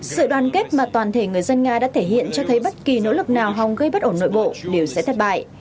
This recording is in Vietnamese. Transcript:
sự đoàn kết mà toàn thể người dân nga đã thể hiện cho thấy bất kỳ nỗ lực nào hòng gây bất ổn nội bộ đều sẽ thất bại